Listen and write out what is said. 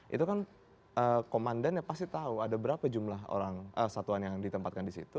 itu kan komandannya pasti tahu ada berapa jumlah orang satuan yang ditempatkan di situ